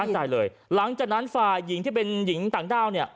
หลังจากนั้นฝ่ายหญิงที่เป็นหญิงต่างด้าวเนี่ย